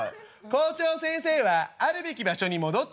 「校長先生はあるべき場所に戻ってください」。